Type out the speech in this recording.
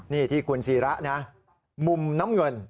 นี่ที่คุณศิระนะมุมน้ำเงิน